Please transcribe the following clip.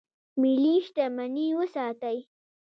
ملي شتمني وساتئ